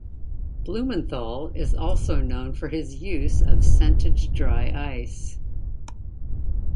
Blumenthal is also known for his use of scented dry ice.